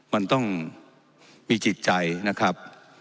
มันต้องมีจิตใจนะครับ